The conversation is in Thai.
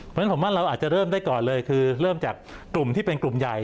เพราะฉะนั้นผมว่าเราอาจจะเริ่มได้ก่อนเลยคือเริ่มจากกลุ่มที่เป็นกลุ่มใหญ่